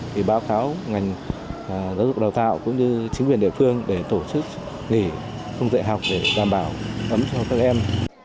thì báo cáo ngành giáo dục đào tạo cũng như chính quyền địa phương để tổ chức nghỉ không dạy học để đảm bảo ấm cho các em